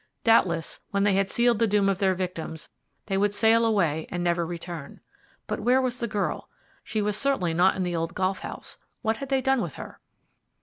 Doubtless, when they had sealed the doom of their victims, they would sail away and never return. But where was the girl? She was certainly not in the old golf house; what had they done with her?